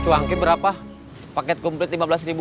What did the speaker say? cuangki berapa paket komplit lima belas ribu